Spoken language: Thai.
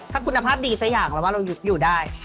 ถ้าคุณภาพดีใส่อย่างเราก็ว่าเราอยู่ได้